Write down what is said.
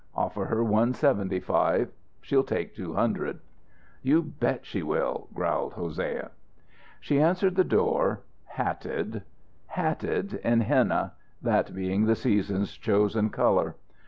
Offer her one seventy five. She'll take two hundred" "You bet she will," growled Hosea. She answered the door hatted; hatted in henna, that being the season's chosen colour.